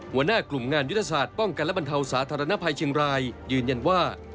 หัวหน้ากลุ่มงานยุทธศาสตร์ป้องกันและบรรเทาสาธารณภัยเชียงรายยืนยันว่า